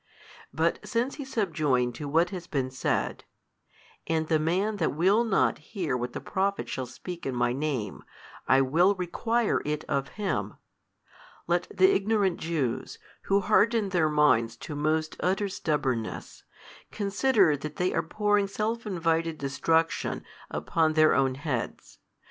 But since he subjoined to what has been said, And the man that will not hear what the Prophet shall speak in My Name, I will require it of him; let the ignorant Jews, who harden their minds to most utter stubbornness, consider that they are pouring self invited destruction upon their own heads.